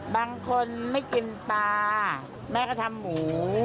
บางคนไม่กินปลาแม่ก็ทำหมู